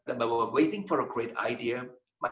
menunggu ide besar mungkin ide buruk